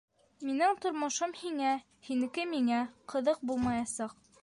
Минең тормошом һиңә, һинеке миңә ҡыҙыҡ булмаясаҡ.